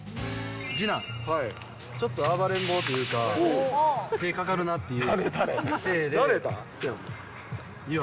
次男は、ちょっと暴れん坊というか、手かかるなっていう。